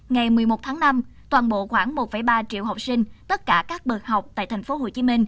ngày một mươi một tháng năm toàn bộ khoảng một ba triệu học sinh tất cả các bậc học tại tp hcm